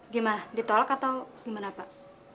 gimana ditolak atau gimana pak